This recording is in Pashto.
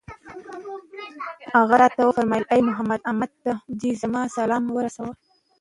نو هغه راته وفرمايل: اې محمد! أمت ته دي زما سلام ورسوه